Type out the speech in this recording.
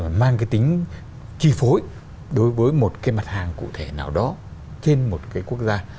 nó mang cái tính chi phối đối với một cái mặt hàng cụ thể nào đó trên một cái quốc gia